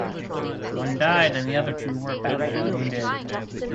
One died and the other two were badly wounded.